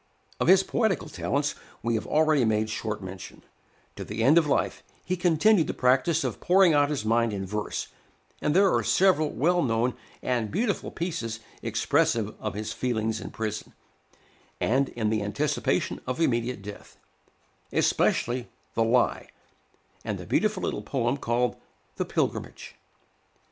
Of his poetical talents we have already made short mention; to the end of life he continued the practice of pouring out his mind in verse, and there are several well known and beautiful pieces expressive of his feelings in prison, and in the anticipation of immediate death; especially "The Lie," and the beautiful little poem called "The Pilgrimage."